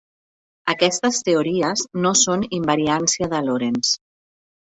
Aquestes teories no són invariància de Lorentz.